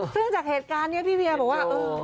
ซึ่งจากเหตุการณ์นี้พี่เวียบอกว่า